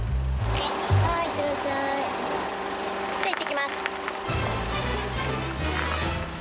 じゃあ、いってきます。